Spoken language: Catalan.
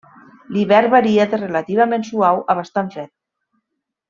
L'hivern varia de relativament suau a bastant fred.